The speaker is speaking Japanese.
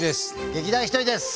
劇団ひとりです。